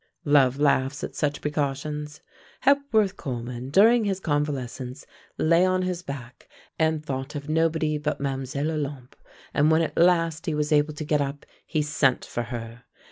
Love laughs at such precautions. Hepworth Coleman, during his convalescence, lay on his back and thought of nobody but Mlle. Olympe, and when at last he was able to get up he sent for her.